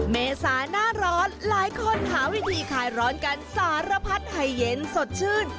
เมษาหน้าร้อนหลายคนหาวิธีคลายร้อนกันสารพัดให้เย็นสดชื่น